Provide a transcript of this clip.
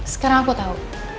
sekarang aku tau